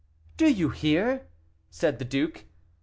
"Do you hear?" said the duke.